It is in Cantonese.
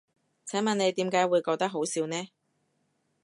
請問你點解會覺得好笑呢？